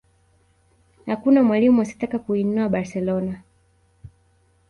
hakuna mwalimu asiyetaka kuinoa barcelona